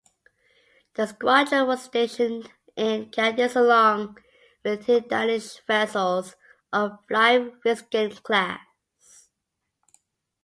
The squadron was stationed in Cadiz along with two Danish vessels of Flyvefisken class.